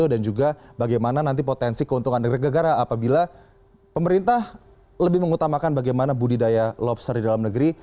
dan juga bagaimana nanti potensi keuntungan negara negara apabila pemerintah lebih mengutamakan bagaimana budidaya lobster di dalam negeri